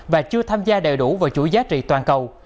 và chưa tham gia đầy đủ vào chuỗi giá trị toàn cầu